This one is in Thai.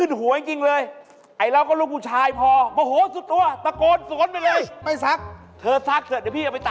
สถาบันข้อครัวนี่สำคัญนะ